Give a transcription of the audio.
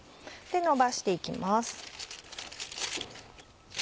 のばして行きます。